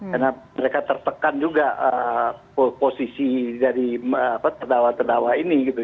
karena mereka tertekan juga posisi dari terdawa terdawa ini gitu